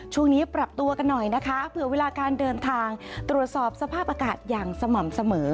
ช่วงนี้ปรับตัวกันหน่อยนะคะเผื่อเวลาการเดินทางตรวจสอบสภาพอากาศอย่างสม่ำเสมอ